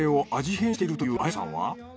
変しているという綾子さんは？